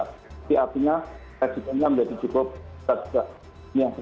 tapi artinya residennya menjadi cukup tidak bisa diangkat